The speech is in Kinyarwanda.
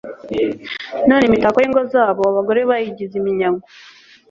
none imitako y'ingo zabo abagore bayigize iminyago